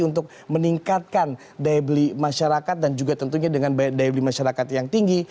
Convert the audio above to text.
untuk meningkatkan daya beli masyarakat dan juga tentunya dengan daya beli masyarakat yang tinggi